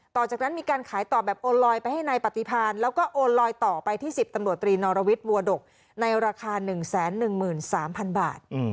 ต่อจากนั้นมีการขายต่อแบบโอนลอยไปให้นายปฏิพันธ์แล้วก็โอนลอยต่อไปที่๑๐ตำรวจตรีนอรวิทย์บัวดกในราคา๑๑๓๐๐๐บาท